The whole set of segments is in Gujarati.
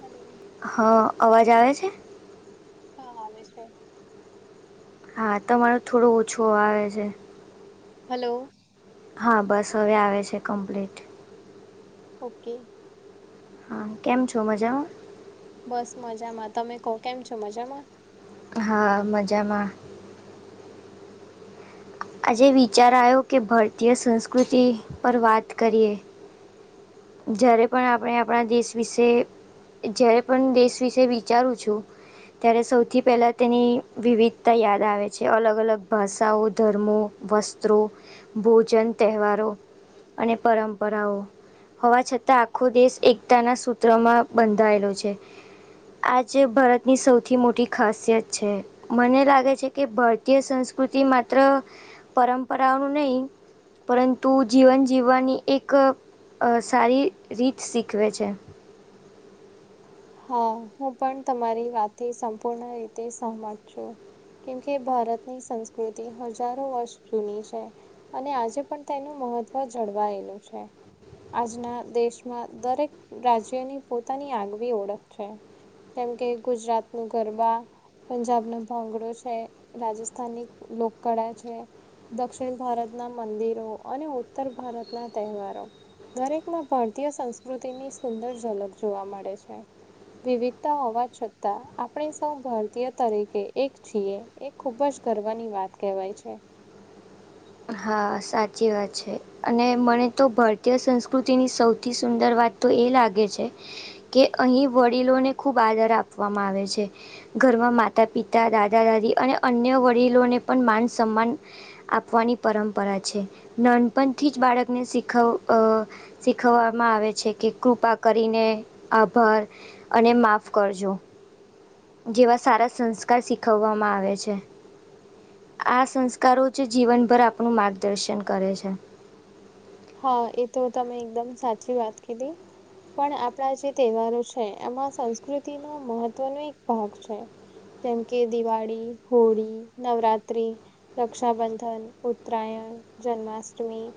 હલો. હા અવાજ આવે છે? હા આવે છે. હા તમારો થોડો ઓછો આવે છે. હલો. હા બસ હવે આવે છે કોમ્પલેટ. ઓકે. હા કેમ છો મજામાં? બસ મજામાં. તમે કહો કેમ છો મજામાં? હા મજામાં. આજે વિચાર આવ્યો કે ભારતીય સંસ્કૃતિ પર વાત કરીએ. જ્યારે પણ આપણે આપણા દેશ વિશે જ્યારે પણ દેશ વિશે વિચારું છું ત્યારે સૌથી પહેલાં તેની વિવિધતા યાદ આવે છે, અલગ-અલગ ભાષાઓ, ધર્મો, વસ્ત્રો, ભોજન, તહેવારો અને પરંપરાઓ હોવા છતાં આખો દેશ એકતાના સૂત્રમાં બંધાયેલો છે. આજે ભરતની સૌથી મોટી ખાસિયત છે. મને લાગે છે કે ભરતીય સંસ્કૃતિ માત્ર પરંપરાઓનું નહીં પરતું જીવન જીવવાની એક સારી રીત શીખવે છે. હા, હું પણ તમારી વાતે સંપૂર્ણ રીતે સહમત છું. કેમ કે ભારતની સંસ્કૃતિ હજારો વર્ષ જૂની છે. અને આજે પણ તેનું મહત્વ જળવાયેલું છે. આજના દેશમાં દરેક રાજ્યની પોતાની આગવી ઓળખ છે. જેમ કે ગુજરાતનું ગરબા, પંજાબનો ભાંગડો છે, રાજસ્થાનની લોકકળા છે, દક્ષિણ ભારતનાં મંદિરો અને ઉત્તર ભારતના તહેવારો. દરેકમાં ભારતીય સંસ્કૃતિની સુંદર ઝલક જોવા મળે છે. વિવિધતા હોવા છતાં આપણે સૌ ભારતીય તરીકે એક છીએ. એ ખૂબ જ ગર્વની વાત કહેવાય છે. હા, સાચી વાત છે અને મને તો ભારતીય સંસ્કૃતિની સૌથી સુંદર વાત તો એ લાગે છે કે અહીં વડીલોને ખૂબ આદર આપવામાં આવે છે. ઘરમાં માતા-પિતા, દાદા-દાદી અને અન્ય વડીલોને પણ માન-સન્માન આપવાની પરંપરા છે. નાનપણથી જ બાળકને શીખવ અ શીખવવામાં આવે છે કે કૃપા કરીને, આભાર અને માફ કરજો. જેવા સારા સંસ્કાર શીખવવામાં આવે છે. આ સંસ્કારો જ જીવનભર આપનું માર્ગદર્શન છે. હા, એતો તમે એકદમ સાચી વાત કીધી. પણ આપણા જે તહેવારો છે, એમાં સંસ્કૃતિનો મહત્વનો એક ભાગ છે. કેમ કે દિવાળી, હોળી, નવરાત્રિ આપણા જે તહેવારો છે, એમાં સંસ્કૃતિનો મહત્વનો એક ભાગ છે. રક્ષાબંધન, ઉત્તરાયણ, જન્માષ્ટમી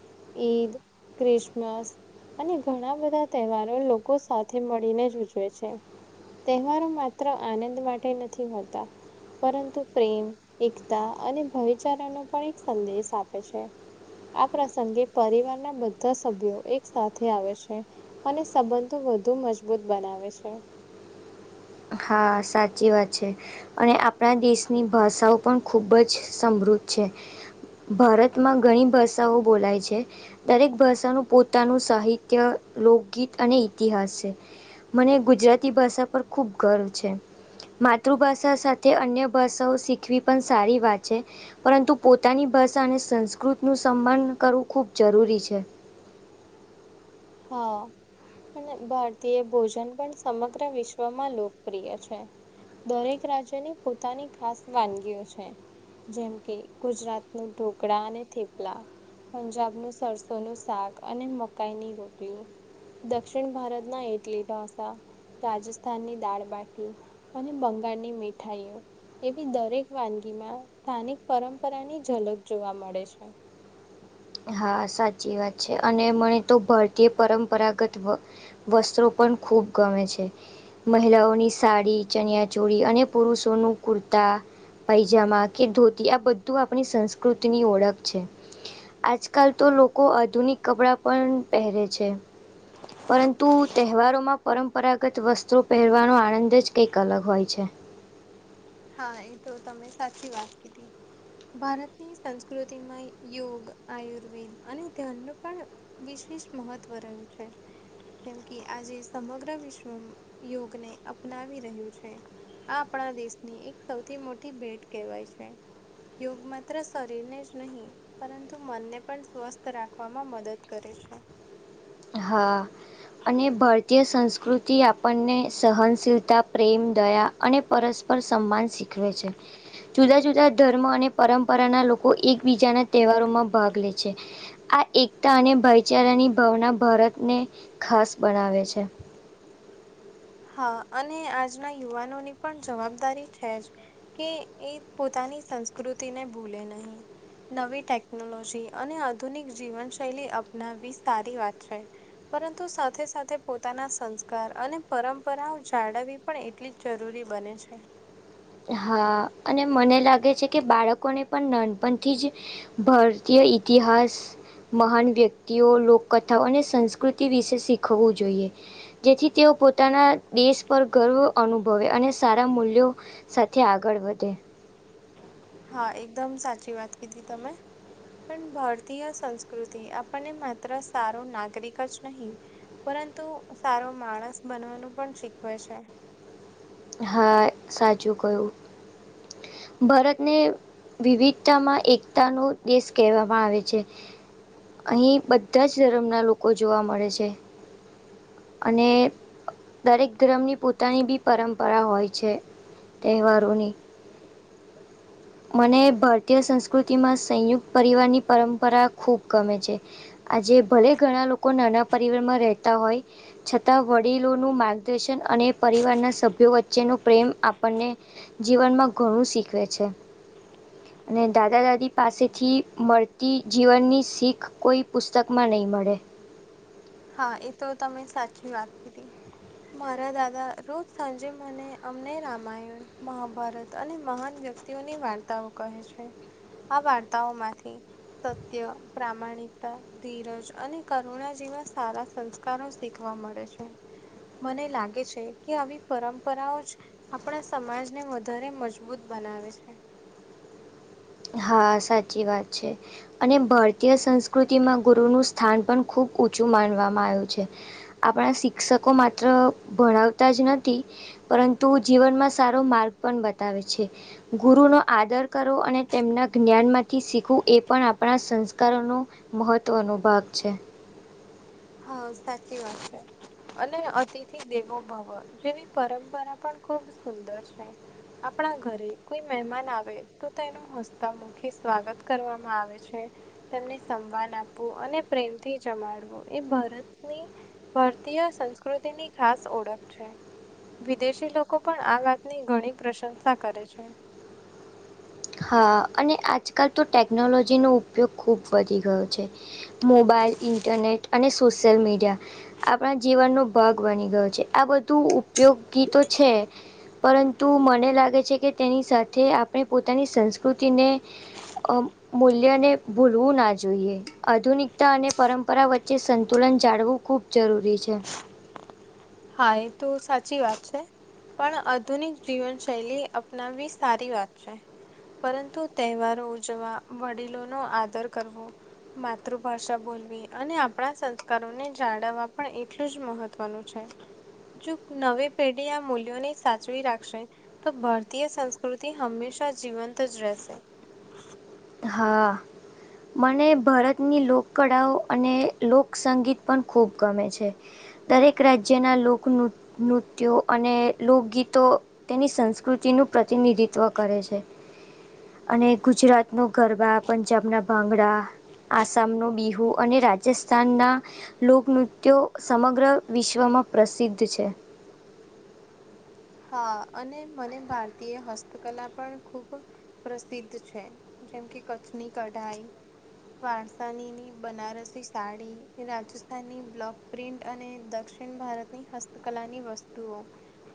ઈદ, ક્રિસમસ અને ઘણા બધા તહેવારો લોકો સાથે મળીને જ ઉજવે છે. તહેવારો માત્ર આનંદ માટે નથી હોતા પરંતુ પ્રેમ, એકતા અને ભાઈચારાનો પણ એક સંદેશ આપે છે. આ પ્રસંગે પરિવારના બધા સભ્યો એક સાથે આવે છે, અને સંબંધો વધુ મજબૂત બનાવે છે. હા, સાચી વાત છે. અને આપણા દેશની ભાષાઓ પણ ખૂબ જ સમૃદ્ધ છે. ભારતમાં ઘણી ભાષાઓ બોલાય છે. દરેક ભાષાનું પોતાનું સાહિત્ય, લોકગીત અને ઈતિહાસ છે. મને ગુજરાતી ભાષા પર ખૂબ ગર્વ છે. માતૃભાષા સાથે અન્ય ભાષાઓ શીખવી પણ સારી વાત છે. પરંતુ પોતાની ભાષા અને સંસ્કૃતિનું સન્માન કરવું ખૂબ જરૂરી છે. હા.. અને ભારતીય ભોજન પણ સમગ્ર વિશ્વમાં લોકપ્રિય છે. દરેક રાજ્યની પોતાની ખાસ વાનગીઓ છે. જેમ કે ગુજરાતનાં ઢોકળાં અને થેપલાં, પંજાબનું સરસોનું શાક અને મકાઈ ની રોટલી, [inaudible] દક્ષિણ ભારતના ઇડલી, ઢોસા, રાજસ્થાનની દાળ-બાટી અને બંગાળની મીઠાઈઓ, એવી દરેક વાનગીઓમાં સ્થાનિક પરંપરાની ઝલક જોવા મળે છે. હા, સાચી વાત છે અને મને તો ભારતીય પરંપરાગત વસ્ત્રો પણ ખૂબ ગમે છે. મહિલાઓની સાડી, ચનિયા ચોળી અને પુરુષોના કુર્તા પાયજામા કે ધોતી આ બધું આપણી સંસ્કૃતિની ઓળખ છે આજ કાલ તો લોકો આધુનિક કપડાં પણ પહેરે છે. પરંતુ તહેવારોમાં પરંપરાગત વસ્ત્રો પહેરવાનો આનંદ જ કંઈક અલગ હોય છે. હા, એ તો તમે સાચી વાત કીધી. ભારતની સંસ્કૃતિમાં યોગ, આયુર્વેદ અને ધર્મ પણ વિશેષ મહત્વ રહ્યું છે. જેમ કે આજે સમગ્ર વિશ્વ યોગને અપનાવી રહ્યું છે. આ આપણા દેશની એક સૌથી મોટી ભેટ કહેવાય છે. યોગ માત્ર શરીરને જ નહીં પરંતુ મનને પણ સ્વસ્થ રાખવામાં મદદ કરે છે. હા... અને ભારતીય સંસ્કૃતિ આપણને સહનશીલતા, પ્રેમ, દયા અને પરસ પર સન્માન શીખવે છે. જુદા જુદા ધર્મ અને પરંપરાના લોકો એકબીજાના તહેવારોમાં ભાગ લે છે. આ એકતા અને ભાઈચારાની ભાવના ભારતને ખાસ બનાવે છે. હા અને આજના યુવાનોની પણ જવાબદારી છે જ કે એ પોતાની સંસ્કૃતિને ભૂલે નહીં. નવી ટેકનોલોજી અને આધુનિક જીવનશૈલી અપનાવવી સારી વાત છે. પરંતુ સાથે- સાથે પોતાના સંસ્કાર અને પરંપરાઓ જાળવવી પણ એટલી જ જરૂરી બને છે. હા. અને મને લાગે છે કે બાળકોને પન નાનપનથી જ ભરતીય ઇતિહાસ મહાન વ્યકિતઓ, લોકકથાઓ અને સંસ્કૃતિ વિશે શીખવવું જોઈએ. જેથી તેઓ પોતાના દેશ પર ગર્વ અનુભવે. અને સારા મૂલ્યો સાથે આગળ વધે. હા એકદમ સાચી વાત કીધી તમે. પણ ભારતીય સંસ્કૃતિ આપણને માત્ર સારો નાગરિક જ નહીં પરંતુ સારો માણસ બનવાનું પણ શીખવે છે. હા. સાચું કહ્યું. ભરતને વિવિધતામાં એકતાનો દેશ કહેવામાં આવે છે. અહીં બધા જ ધર્મના લોકો જોવા મળે છે. અને દરેક ધર્મની પોતાની બી પરંપરા હોય છે તહેવારોની. મને ભરતીય સંસ્કૃતિમાં સંયુક્ત પરિવારની પરંપરા ખૂબ ગમે છે. આજે ભલે ઘણા લોકો નાના પરીવારમાં રહેતા હોય છતાં વડીલોનું માર્ગદર્શન અને પરિવારના સભ્યો વચ્ચે નો પ્રેમ આપણને જીવનમાં ઘણું શીખવે છે. અને દાદા-દાદી પાસેથી મળતી જીવનની શીખ કોઈ પુસ્તકમાં નહીં મળે. હા એ તો તમે સાચી વાત કીધી. મારા દાદા રોજ સાંજે મને અમને રામાયણ મહાભારત અને મહાન વ્યક્તિઓની વાર્તાઓ કહે છે. આ વાર્તાઓ માંથી સત્ય, પ્રામાણિકતા, ધીરજ અને કરુણા જેવા સારા સંસ્કારો શીખવા મળે છે. મને લાગે છે કે આવી પરંપરાઓ જ આપણા સમાજને વધારે મજબૂત બનાવે છે. હા, સાચી વાત છે. અને ભારતીય સંસ્કૃતિમાં ગુરુનું સ્થાન પણ ખૂબ ઊંચું માનવામાં આયું છે. આપણા શિક્ષકો માત્ર ભણાવતા જ નથી પરંતુ જીવનમાં સારો માર્ગ પણ બતાવે છે. ગુરુનો આદર કરવો, અને તેમના જ્ઞાનમાંથી શીખવું એ પણ આપણા સંસ્કારોનો મહત્ત્વનો ભાગ છે. હાવ, સાચી વાત છે. અને અતિથિ દેવો ભવ જેવી પરંપરા પણ ખુબ સુંદર છે. આપણા ઘરે કોઈ મહેમાન આવે તો તેનું હસતા મોં થી સ્વાગત કરવામાં આવે છે, તેમને સંવાન આપવું અને પ્રેમથી જમાડવો. એ ભારતની ભારતીય સંસ્કૃતિની ખાસ ઓળખ છે. વિદેશી લોકો પણ આ વાતની ઘણી પ્રશંસા કરે છે. હા. અને આજકાલ તો ટેકનોલોજીનો ઉપયોગ ખૂબ વધી ગયો છે. મોબાઈલ, ઇન્ટરનેટ અને સોશિયલ મીડિયા આપણા જીવનનો ભાગ બની ગયો છે. આ બધું ઉપયોગી તો છે, પરંતુ મને લાગે છે કે તેની સાથે આપણે પોત તાની સંસ્કૃતિને અમ્મ મૂલ્યને ભૂલવું ના જોઈએ. આધુનિકતા અને પરંપરા વચ્ચે સંતુલન જાળવું ખૂબ જરૂરી છે. હા, એ તો સાચી વાત છે. પણ આધુનિક જીવનશૈલી અપનાવવી સારી વાત છે. પરંતુ તહેવારો ઉજવવા, વડીલોનો આદર કરવો માતૃભાષા બોલવી, અને આપણા સંસ્કારોને જાળવવા પણ એટલું જ મહત્ત્વનું છે. જોક નવી પેઢી આ મૂલ્યોને સાચવી રાખશે તો ભારતીય સંસ્કૃતિ હંમેશા જીવંત જ રહેશે. હા. મને ભરતની લોકકળાઓ અને લોકસંગીત પણ ખૂબ ગમે છે. દરેક રાજ્યના લોક નૃ નૃત્યો અને લોકગીતો તેની સંસ્કૃતિ નું પ્રતિનિધિત્વ કરે છે. અને ગુજરાત નું ગરબા, પંજાબના ભાંગડા, આસામનું બિહુ અને રાજ જસ્થાનનાં લોકનૃત્યો સમગ્ર વિશ્વમાં પ્રસિદ્ધ છે. હા. અને મને ભારતીય હસ્તકલા પણ ખૂબ પ્રસિદ્ધ છે. જેમ કે કચ્છની કઢાઈ વારસાનીની બનારસી સાડી, રાજસ્થાનની બ્લોક પ્રિન્ટ અને દક્ષિણ ભારતની હસ્તકલાની વસ્તુઓ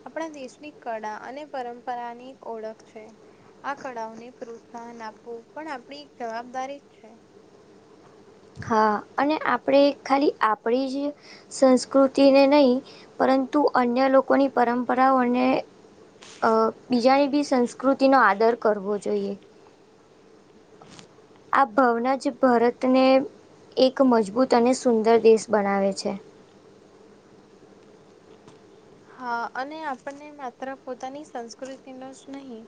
આપણા દેશની કળા અને પરંપરાની એક ઓળખ છે. આ કળાઓને પ્રોત્સાહન આપવું પણ આપણી એક જવાબદારી જ છે. હા. અને આપણે ખાલી આપણી જ સંસ્કૃતિને નહીં, પરંતુ અન્ય લોકોની પરંપરાઓને અહ બીજાની બી સંસ્કૃતિ નો આદર કરવો જોઈએ. આ ભવના જ ભરતને એક મજબૂત અને સુંદર દેશ બનાવે છે. હા. અને આપણને માત્ર પોતાની સંસ્કૃતિનું જ નહીં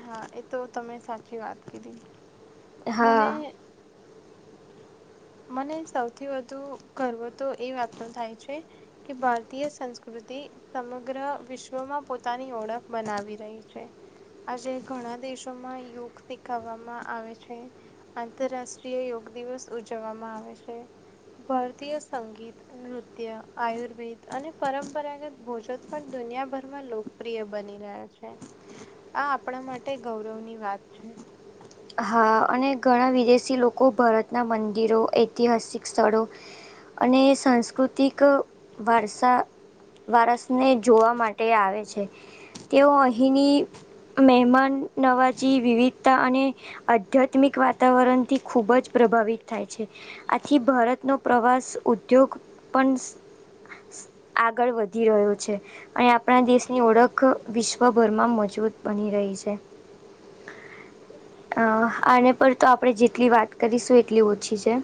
હા. એ તો તમે સાચી વાત કીધી. હા મને મને સૌથી વધુ ગર્વ તો એ વાતનો થાય છે કે ભારતીય સંસ્કૃતિ સમગ્ર વિશ્વમાં પોતાની ઓળખ બનાવી રહી છે. આજે ઘણા દેશોમાં યોગ શીખાવવામાં આવે છે આંતરરાષ્ટ્રીય યોગ દિવસ ઉજવવામાં આવે છે. ભરતીય સંગીત, નૃત્ય, આયુર્વેદ અને પરંપરાગત ભોજન પણ દુનિયાભરમાં લોકપ્રિય બની રહ્યા છે. આ આપણા માટે ગૌરવની વાત છે. હા. અને ઘણા વિદેશી લોકો ભારતના મંદિરો, ઐતિહાસિક સ્થળો અને સાંસ્કૃતિક વારસા વારસને જોવા માટે આવે છે. તેઓ અહીંની મહેમાન નવાજી વિવિધતા અને આધ્યાત્મિક વાતાવરણ થી ખુબ જ પ્રભાવિત થાય છે. આથી ભારતનો પ્રવાસ ઉદ્યોગ પન આગળ વધી રહ્યો છે. અહીં આપણા દેશની ઓળખ વિશ્વભરમાં મજબૂત બની રહી છે. અહ આને પર તો આપણે જેટલી વાત કરીશું એટલી ઓછી છે.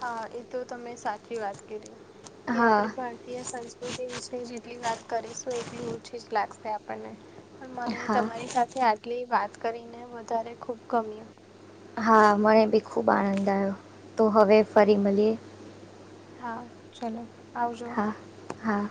હા. એ તો તમે સાચી વાત કીધી, કે હા આપણી ભારતીય સંસ્ કૃતિ વિશે જેટલી વાત કરીશું એટલી ઓછી જ લાગશે આપણને. પન મને હા તમારી સાથે આટલી વાત કરીને વધારે ખૂબ ગમ્યું. હા મને બી ખૂબ આનંદ આયો. તો હવે ફરી મલીએ. હા ચલો. આવજો હા હા,